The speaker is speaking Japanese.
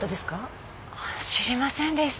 知りませんでした。